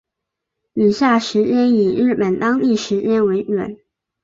以下时间以日本当地时间为准